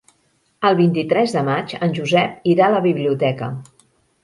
El vint-i-tres de maig en Josep irà a la biblioteca.